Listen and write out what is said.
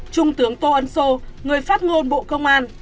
trung tướng tô ân sô người phát ngôn bộ công an